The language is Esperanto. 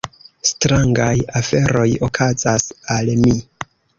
Strangaj aferoj okazas al mi.